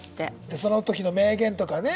その時の名言とかね